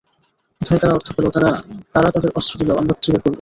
কোথায় তারা অর্থ পেল, কারা তাদের অস্ত্র দিল, আমরা খুঁজে বের করব।